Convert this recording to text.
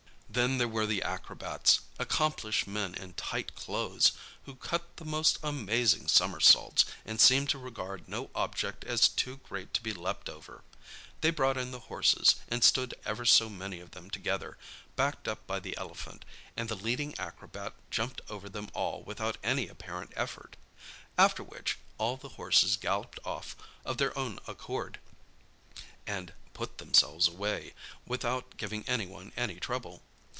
Then there were the acrobats—accomplished men in tight clothes—who cut the most amazing somersaults, and seemed to regard no object as too great to be leaped over. They brought in the horses, and stood ever so many of them together, backed up by the elephant, and the leading acrobat jumped over them all without any apparent effort. After which all the horses galloped off of their own accord, and "put themselves away" without giving anyone any trouble.